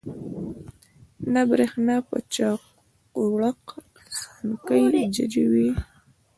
نه برېښنا په چاقوړک، سانکۍ ججي وو